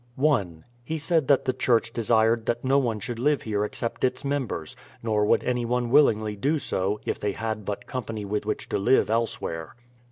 1. He said that the church desired that no one should live here except its members ; nor would anyone willingly do so, if they had but company with which to live elsewhere.